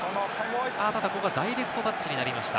ここはダイレクトタッチになりました。